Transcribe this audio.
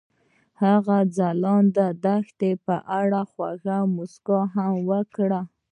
هغې د ځلانده دښته په اړه خوږه موسکا هم وکړه.